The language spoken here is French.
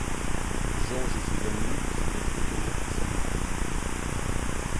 Jorge et ses amis sont des trentenaires qui s'ennuient.